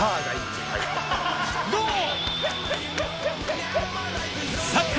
どう！？